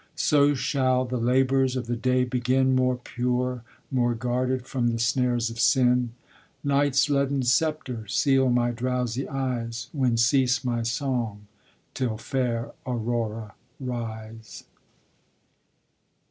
So shall the labors of the day begin More pure, more guarded from the snares of sin. Nights' leaden sceptor seal my drowsy eyes, When cease my song, till fair Aurora rise.